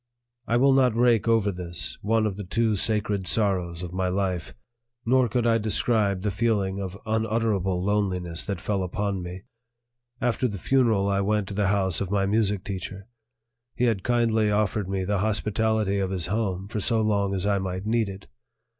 I will not rake over this, one of the two sacred sorrows of my life; nor could I describe the feeling of unutterable loneliness that fell upon me. After the funeral I went to the house of my music teacher; he had kindly offered me the hospitality of his home for so long as I might need it.